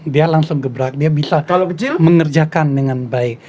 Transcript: dia langsung gebrak dia bisa mengerjakan dengan baik